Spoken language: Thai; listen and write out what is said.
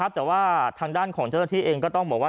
แต่ว่าทางด้านของเจ้าหน้าที่เองก็ต้องบอกว่า